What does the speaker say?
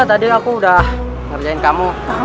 tadi aku udah ngerjain kamu